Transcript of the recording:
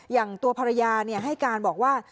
อย่างตัวภรรยาให้การบอกว่า